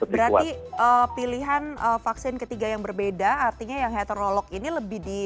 berarti pilihan vaksin ketiga yang berbeda artinya yang heterolog ini lebih di